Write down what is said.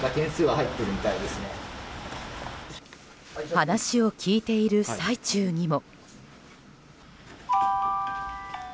話を聞いている最中にも。